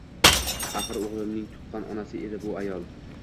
Axir o`g`limning tuqqan onasi edi bu ayol